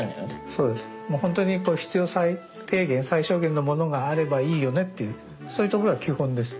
もうほんとに必要最低限最小限のものがあればいいよねっていうそういうところが基本です。